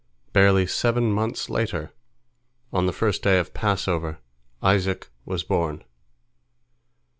Barely seven months later, on the first day of the Passover, Isaac was born.